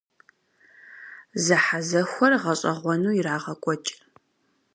Зэхьэзэхуэр гъэщӀэгъуэну ирагъэкӀуэкӀ.